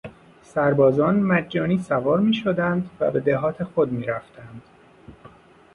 سربازان مجانی سوار میشدند و به دهات خود میرفتند.